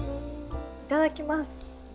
いただきます。